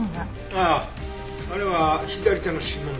あああれは左手の指紋だった。